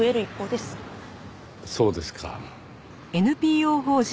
そうですか。